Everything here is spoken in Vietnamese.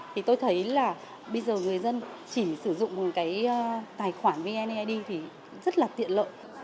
thì tôi thấy là bây giờ người dân chỉ sử dụng một cái tài khoản vned thì rất là tiện lợi